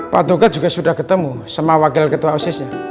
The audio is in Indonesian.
pak duga juga sudah ketemu sama wakil ketua osisnya